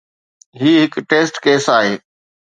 هي هڪ test case آهي.